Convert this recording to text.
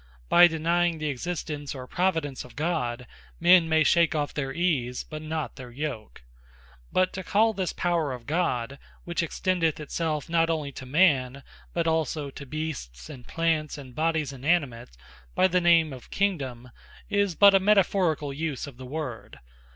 By denying the Existence, or Providence of God, men may shake off their Ease, but not their Yoke. But to call this Power of God, which extendeth it selfe not onely to Man, but also to Beasts, and Plants, and Bodies inanimate, by the name of Kingdome, is but a metaphoricall use of the word.